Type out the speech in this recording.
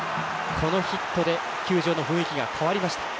このヒットで球場の雰囲気が変わりました。